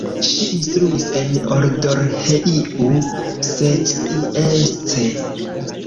Ŝi instruis en Odorheiu Secuiesc.